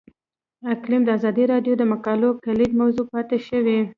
اقلیم د ازادي راډیو د مقالو کلیدي موضوع پاتې شوی.